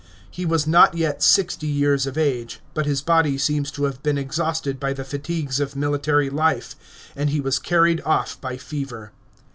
He was not yet sixty years of age, but his body seems to have been exhausted by the fatigues of military life, and he was carried off by fever.